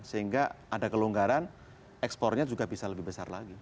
sehingga ada kelonggaran ekspornya juga bisa lebih besar lagi